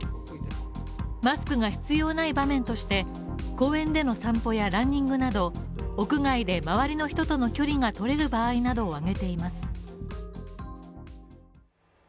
マスクが必要ない場面として、公園での散歩やランニングなど、屋外で周りの人との距離が取れる場合などを挙げています。